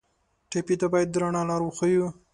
ټپي ته باید د رڼا لار وښیو.